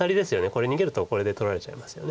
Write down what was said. これ逃げるとこれで取られちゃいますよね。